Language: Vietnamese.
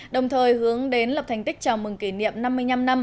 đồng thời hướng đến lập thành tích chào mừng kỷ niệm năm mươi năm năm